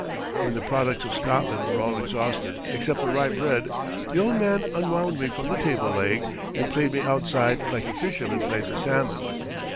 When the products of Scotland were all exhausted except the rye bread the old man unwound me from the table leg and played me outside like a fisherman plays a salmon.